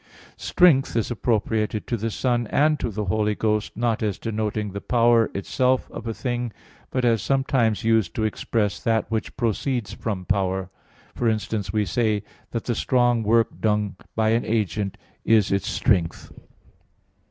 "Strength" is appropriated to the Son and to the Holy Ghost, not as denoting the power itself of a thing, but as sometimes used to express that which proceeds from power; for instance, we say that the strong work done by an agent is its strength.